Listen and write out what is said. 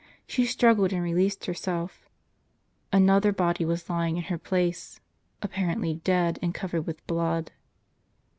She struggled, and released herself. Another body was lying in her place, apparently dead, and covered with blood.